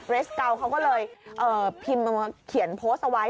เรสเกาเขาก็เลยเขียนโพสต์เอาไว้